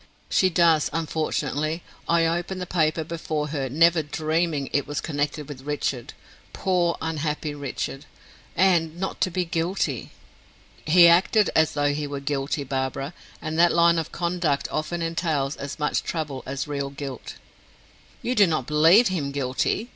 "She does, unfortunately. I opened the paper before her, never dreaming it was connected with Richard poor, unhappy Richard! and not to be guilty." "He acted as though he were guilty, Barbara; and that line of conduct often entails as much trouble as real guilt." "You do not believe him guilty?"